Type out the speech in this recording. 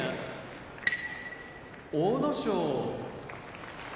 阿武咲